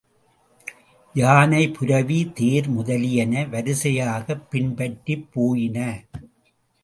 யானை புரவி தேர் முதலியன வரிசையாகப் பின்பற்றிப் போயின.